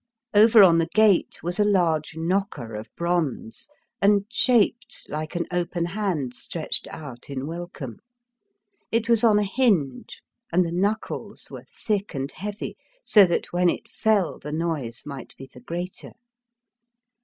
Over on the gate was a large knocker of bronze and shaped like an open hand stretched out in welcome. It was on a hinge and the knuckles were thick and heavy, so that when it fell the noise might be the greater.